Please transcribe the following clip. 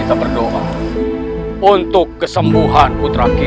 dengan ini kepura puraanku berhasil